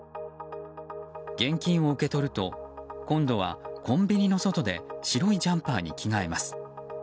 現金を受け取ると今度はコンビニの外で白いジャンパーに着替えます。